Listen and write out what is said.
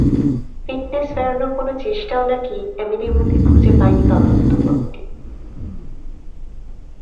Fitness ফেরানোর কোনো চেষ্টাও নাকি এমিলির মধ্যে খুঁজে পায়নি তদন্ত কমিটি।